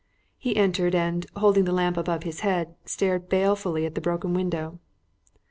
He entered and, holding the lamp above his head, stared balefully at the broken window.